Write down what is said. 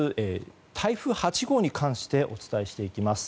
台風８号に関してお伝えしていきます。